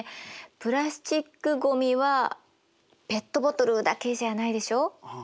プラスチックごみはペットボトルだけじゃないでしょう？